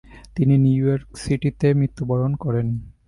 তিনি New York সিটিতে মৃত্যুবরণ করেন।